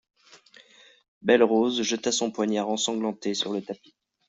Belle-Rose jeta son poignard ensanglanté sur le tapis.